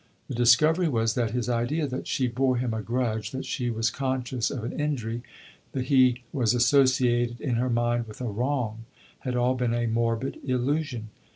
The discovery was that his idea that she bore him a grudge, that she was conscious of an injury, that he was associated in her mind with a wrong, had all been a morbid illusion.